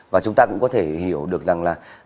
và chúng ta cũng có thể hiểu được rằng là